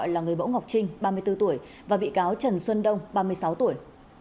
là người bỗ ngọc trinh ba mươi bốn tuổi và bị cáo trần xuân đông ba mươi sáu tuổi